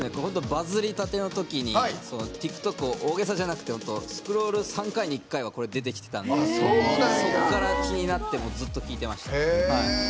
バズりたてのときに大げさじゃなくてスクロール３回に１回はこれ、出てきてたのでそこから気になってずっと聴いてました。